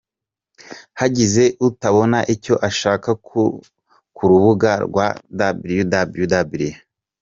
Hagize utabona icyo ashaka ku rubuga rwa www.